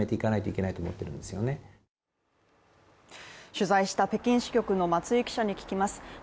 取材した北京支局の松井記者に聞きます。